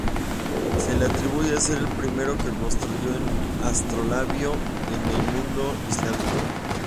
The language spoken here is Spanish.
Se le atribuye ser el primero que construyó un astrolabio en el mundo islámico.